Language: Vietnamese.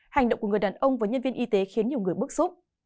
hành động của người đàn ông và nhân viên y tế khiến nhiều người bức xúc